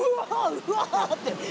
うわぁ！って。